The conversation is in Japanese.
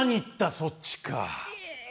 そっちかえ